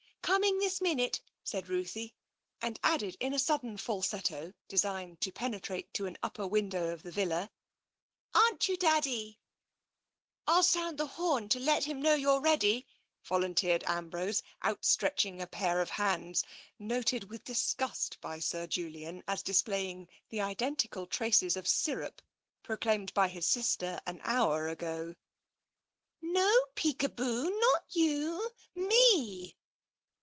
"Coming this minute," said Ruthie, and added in a sudden falsetto, designed to penetrate to an upper window of the villa, " Aren't you. Daddy ?"" ril sound the horn to let him know you're ready," volunteered Ambrose, outstretching a pair of TENSION 13 hands, noted with disgust by Sir Julian as displaying the identical traces of syrup proclaimed by his sister an hour ago. No, Peekaboo! Not you — me!